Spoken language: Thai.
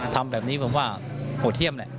ทำแบบนี้ผมว่าโหดเยี่ยมแหละ